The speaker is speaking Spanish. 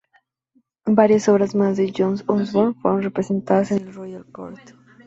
Varias obras más de John Osborne fueron representadas en el Royal Court.